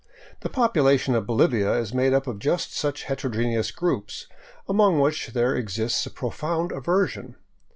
The population of Bolivia is made up of just such heterogeneous groups, among which there exists a profound aver sion.